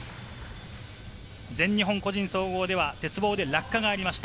全日本個人総合では鉄棒で落下がありました。